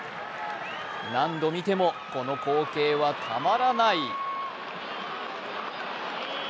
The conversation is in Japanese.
何度見てもこの光景はたまらない。